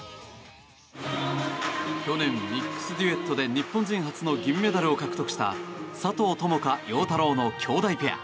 去年、ミックスデュエットで日本人初の銀メダルを獲得した佐藤友花・陽太郎の姉弟ペア。